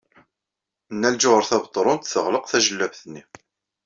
Nna Lǧuheṛ Tabetṛunt teɣleq tajellabt-nni.